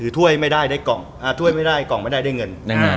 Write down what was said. ถ้าท่วยไม่ได้กล่องไม่ได้เงิน